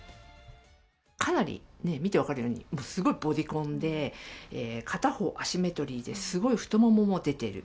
かなり、見て分かるように、すごいボディコンで、片方アシンメトリーで、すごい太ももも出てる。